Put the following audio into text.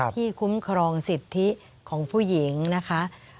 คุ้มครองสิทธิของผู้หญิงนะคะ